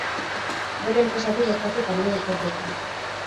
Bere enpresatik bertatik ari da ikerketan.